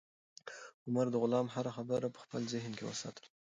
عمر د غلام هره خبره په خپل ذهن کې وساتله.